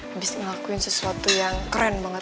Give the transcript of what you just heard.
habis ngelakuin sesuatu yang keren banget